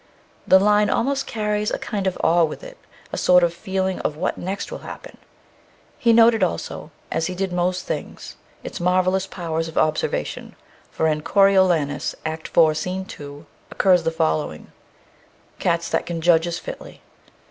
The line almost carries a kind of awe with it, a sort of feeling of "what next will happen?" He noted, also, as he did most things, its marvellous powers of observation, for in Coriolanus, Act IV., Scene 2, occurs the following: Cats, that can judge as fitly.